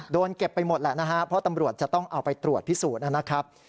โดนเก็บไปหมดแหละนะฮะเพราะตำรวจจะต้องเอาไปตรวจพิสูจน์นะครับ